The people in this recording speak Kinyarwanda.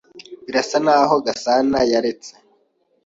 Birasa nkaho Gasana yaretse.